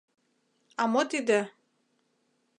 А мо тиде?